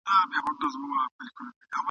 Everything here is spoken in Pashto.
محتسب به رنځ وهلی په حجره کي پروت بیمار وي ..